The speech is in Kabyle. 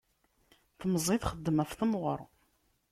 Temẓi txeddem ɣef temɣeṛ.